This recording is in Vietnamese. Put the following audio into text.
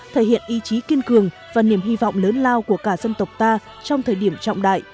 thể hiện ý chí kiên cường và niềm hy vọng lớn lao của cả dân tộc ta trong thời điểm trọng đại